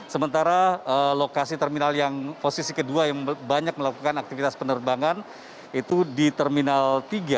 sementara lokasi terminal yang posisi kedua yang banyak melakukan aktivitas penerbangan itu di terminal tiga